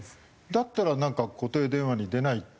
だったらなんか固定電話に出ないって。